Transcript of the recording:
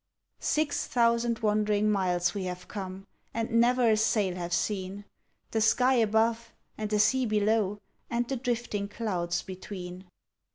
Six thousand wandering miles we have come And never a sail have seen. The sky above and the sea below And the drifting clouds between.